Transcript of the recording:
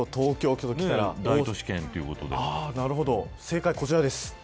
大都市圏ということで正解はこちらです。